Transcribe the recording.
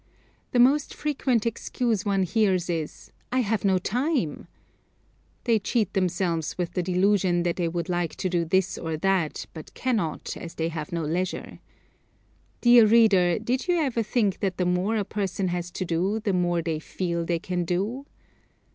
The most frequent excuse one hears is: "I have no time." They cheat themselves with the delusion that they would like to do this or that, but cannot as they have no leisure. Dear reader, did you ever think that the more a person has to do, the more they feel they can do?